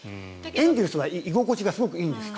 エンゼルスは居心地が彼にとってすごくいいんです。